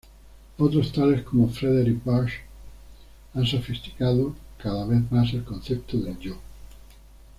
Otros, tales como Frederic Busch, han sofisticado cada vez más el concepto del Yo.